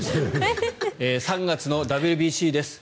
３月のＷＢＣです。